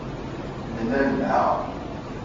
Nella nelha.